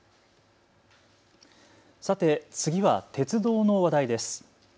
さて次は鉄道の話題です。